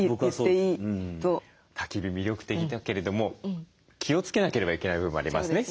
たき火魅力的だけれども気をつけなければいけない部分もありますね。